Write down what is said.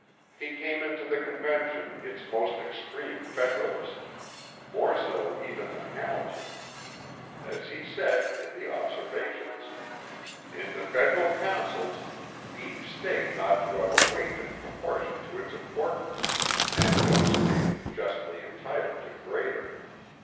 He came into the Convention its most extreme Federalist more so even than Hamilton. As he said in the Observations: "In the federal councils, each State ought to have a weight in proportion to its importance; and no State is justly entitled to greater."